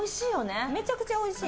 めちゃくちゃおいしい。